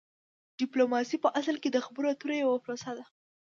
ډیپلوماسي په اصل کې د خبرو اترو یوه پروسه ده